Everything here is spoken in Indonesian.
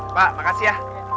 pak makasih ya